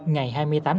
ngày hai mươi tháng